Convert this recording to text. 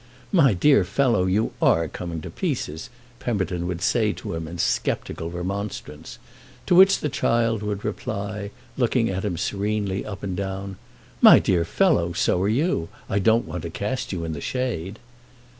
"My dear fellow, you are coming to pieces," Pemberton would say to him in sceptical remonstrance; to which the child would reply, looking at him serenely up and down: "My dear fellow, so are you! I don't want to cast you in the shade."